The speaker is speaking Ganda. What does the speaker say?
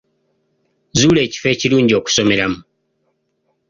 Zuula ekifo ekirungi okusomeramu.